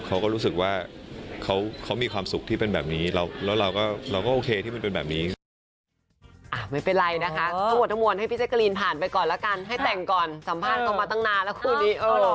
เขาก็รู้สึกว่าเขามีความสุขที่เป็นแบบนี้แล้วเราก็โอเคที่มันเป็นแบบนี้